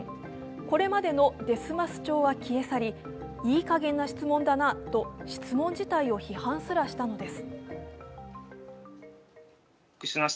これまでの「ですます調」は消え去り「いいかげんな質問だな」と質問自体を批判すらしたのです。